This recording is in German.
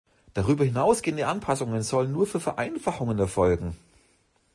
Darüber hinaus gehende Anpassungen sollen nur für Vereinfachungen erfolgen.